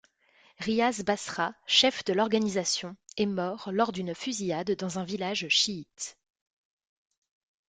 Riaz Basra, chef de l'organisation, est mort lors d'une fusillade dans un village chiite.